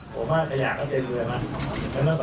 ผมว่าขยะก็เจ็บเลยนะครับ